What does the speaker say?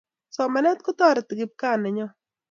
Somanet kotareti kikpkaa nenyoo